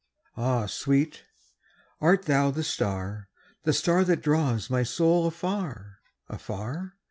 Ah, sweet, art thou the star, the starThat draws my soul afar, afar?